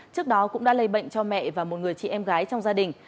trước đó cũng đã lây bệnh cho mẹ và một người chị em gái trong gia đình